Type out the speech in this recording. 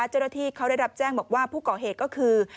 เจ้าหน้าที่เขาได้รับแจ้งบอกว่าผู้ก่อเหตุก็คือ